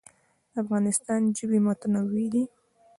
د افغانستان ژوي متنوع دي